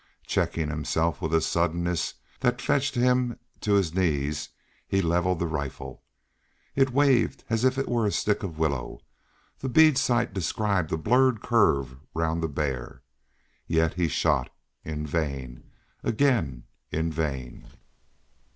Checking himself with a suddenness that fetched him to his knees, he levelled the rifle. It waved as if it were a stick of willow. The bead sight described a blurred curve round the bear. Yet he shot in vain again in vain.